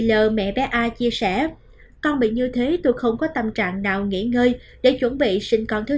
lờ mẹ bé a chia sẻ con bị như thế tôi không có tâm trạng nào nghỉ ngơi để chuẩn bị sinh con thứ